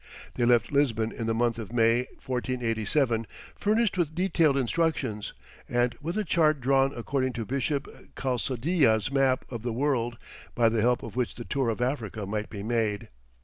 They left Lisbon in the month of May, 1487, furnished with detailed instructions, and with a chart drawn according to Bishop Calsadilla's map of the World, by the help of which the tour of Africa might be made.